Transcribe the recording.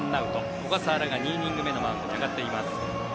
小笠原が２イニング目のマウンドに上がっています。